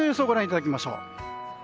ご覧いただきましょう。